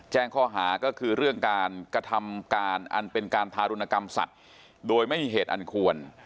แจ้งข้อหาก็คือเรื่องการกระทำการอันเป็นการทารุณกรรมสัตว์โดยไม่มีเหตุอันควร